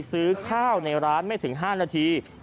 ซื้อข้าวในร้านไม่ถึง๕นาที